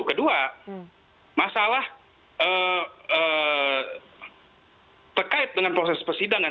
kedua masalah terkait dengan proses persidangan